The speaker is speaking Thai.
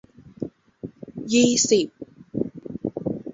ยี่สิบ